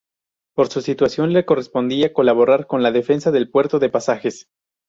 Por su situación le correspondía colaborar en la defensa del puerto de Pasajes.